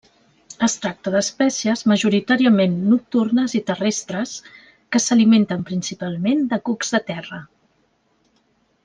Es tracta d'espècies majoritàriament nocturnes i terrestres, que s'alimenten principalment de cucs de terra.